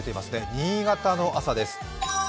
新潟の朝です。